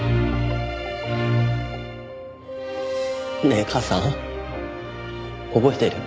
ねえ母さん覚えてる？